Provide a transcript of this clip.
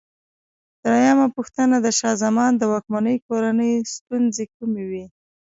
درېمه پوښتنه: د شاه زمان د واکمنۍ کورنۍ ستونزې کومې وې؟